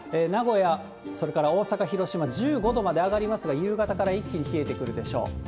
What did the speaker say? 名古屋、それから大阪、広島、１５度まで上がりますが、夕方から一気に冷えてくるでしょう。